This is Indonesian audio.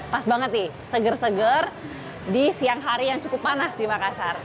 pas banget nih seger seger di siang hari yang cukup panas di makassar